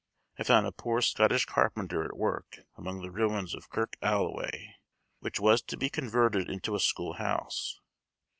I found a poor Scotch carpenter at work among the ruins of Kirk Alloway, which was to be converted into a school house.